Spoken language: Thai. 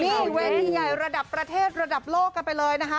นี่เวทีใหญ่ระดับประเทศระดับโลกกันไปเลยนะคะ